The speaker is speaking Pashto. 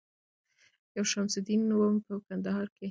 یو شمس الدین وم په کندهار کي